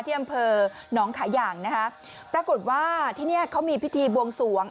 อำเภอหนองขาย่างนะคะปรากฏว่าที่นี่เขามีพิธีบวงสวง